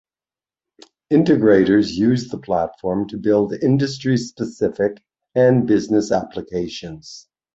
Integrators use the platform to build industry-specific and business applications.